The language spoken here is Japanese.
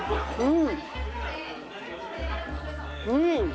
うん！